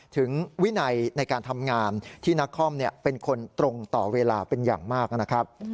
วินัยในการทำงานที่นักคอมเป็นคนตรงต่อเวลาเป็นอย่างมากนะครับ